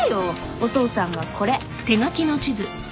お父さんがこれ。